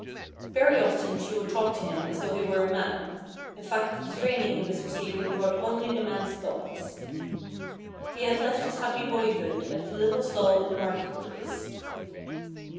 Very often she would talk to him as though he were a man, in fact the training he was receiving brought only the man's thoughts. He had left his happy boyhood at the little stall in the market place.